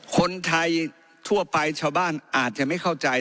คนไทยทั่วไปชาวบ้านอาจจะไม่เข้าใจ